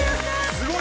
すごい！